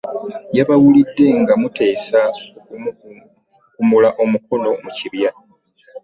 Yabawulidde nga muteesa okumukunkumula omukono mu kibya.